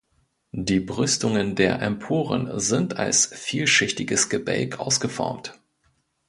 Die Brüstungen der Emporen sind als vielschichtiges Gebälk ausgeformt.